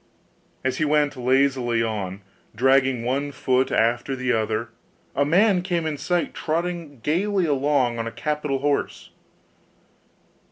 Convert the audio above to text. As he went lazily on, dragging one foot after another, a man came in sight, trotting gaily along on a capital horse.